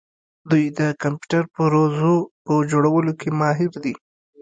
دوی د کمپیوټر پرزو په جوړولو کې ماهر دي.